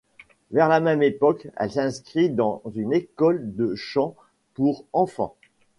Vers la même époque, elle s'inscrit dans une école de chant pour enfants.